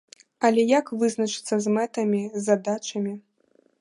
Але як вызначыцца з мэтамі, з задачамі?